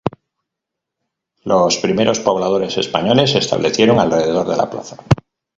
Los primeros pobladores españoles se establecieron alrededor de la plaza.